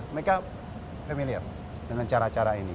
mereka familiar dengan cara cara ini